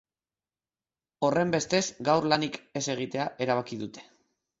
Horrenbestez, gaur lanik ez egitea erabaki dute.